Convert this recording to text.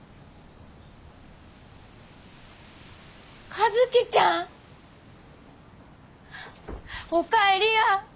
和希ちゃん！お帰りや！